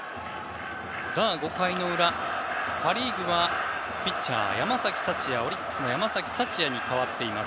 ５回の裏、パ・リーグはピッチャー、オリックスの山崎福也に代わっています。